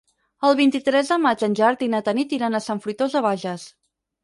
El vint-i-tres de maig en Gerard i na Tanit iran a Sant Fruitós de Bages.